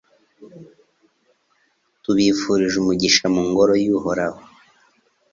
Tubifurije umugisha mu Ngoro y’Uhoraho